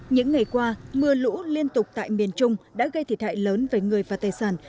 những ngày qua mưa lũ liên tục tại miền trung đã gây thiệt hại lớn về người và tài sản